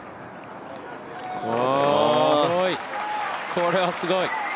これはすごい。